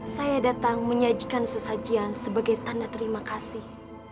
saya datang menyajikan sesajian sebagai tanda terima kasih